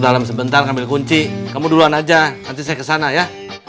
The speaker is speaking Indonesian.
dalam sebentar ambil kunci kamu duluan aja nanti saya kesana ya